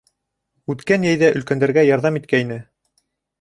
Үткән йәйҙә өлкәндәргә ярҙам иткәйне.